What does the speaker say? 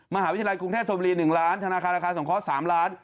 มหาวิทยาลัยกรุงเทพธมรี๑ล้านธนาคารราคาสงเคราะห์๓ล้าน